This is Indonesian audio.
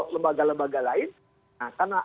lembaga lembaga lain nah karena